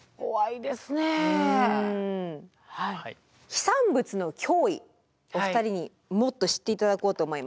飛散物の脅威お二人にもっと知っていただこうと思います。